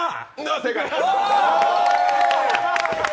正解！